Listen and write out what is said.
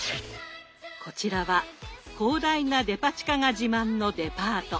こちらは広大なデパ地下が自慢のデパート。